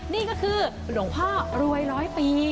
นี่ก็คือหลวงพ่อรวยร้อยปี